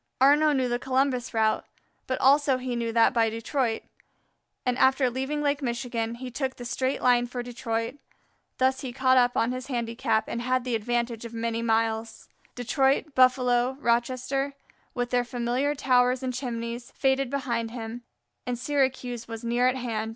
Arnaux knew the Columbus route, but also he knew that by Detroit, and after leaving Lake Michigan, he took the straight line for Detroit. Thus he caught up on his handicap and had the advantage of many miles. Detroit, Buffalo, Rochester, with their familiar towers and chimneys, faded behind him, and Syracuse was near at hand.